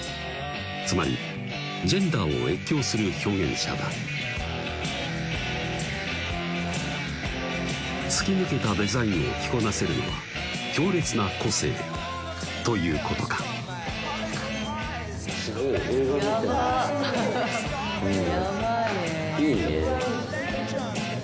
つまりジェンダーを越境する表現者だ突き抜けたデザインを着こなせるのは強烈な個性ということかヤバいねいいね